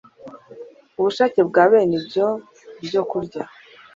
ubushake bwa bene ibyo byokurya